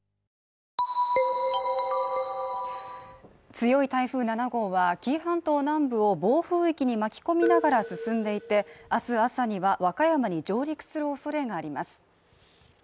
強い台風７号は紀伊半島南部を暴風域に巻き込みながら進んでいて明日朝には和歌山に上陸するおそれがあります